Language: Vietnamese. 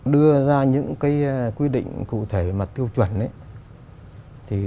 đưa ra những cái quy định cụ thể mà tiêu chuẩn ấy